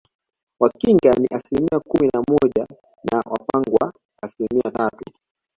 Wakinga ni asilimia kumi na moja na Wapangwa asilimia tatu